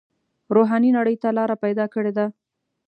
روحاني نړۍ ته لاره پیدا کړې ده.